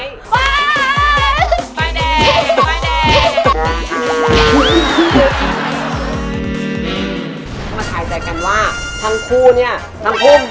ต้องมาถ่ายใจกันว่าทั้งคู่เนี่ยทั้งคุม